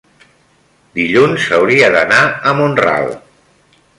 dilluns hauria d'anar a Mont-ral.